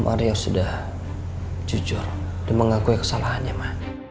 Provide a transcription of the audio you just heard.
om arya sudah jujur dan mengakui kesalahannya ma